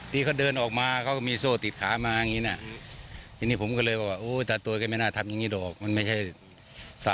ที่เค้าเดินออกมาเค้าก็มีโซ่ติดขามาอย่างงี้นะ